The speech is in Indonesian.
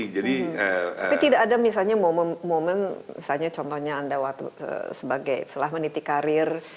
tapi tidak ada misalnya momen misalnya contohnya anda waktu sebagai setelah meniti karir